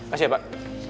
kasih ya pak